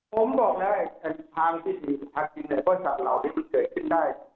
ผมบอกแล้วทางที่ดีทางจริงในบริษัทเหล่านี้มันเกิดขึ้นได้